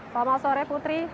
selamat sore putri